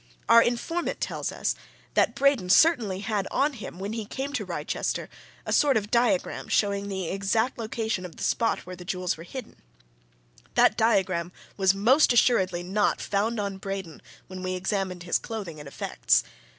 Our informant tells us that Braden certainly had on him, when he came to Wrychester, a sort of diagram showing the exact location of the spot where the jewels were hidden that diagram was most assuredly not found on Braden when we examined his clothing and effects.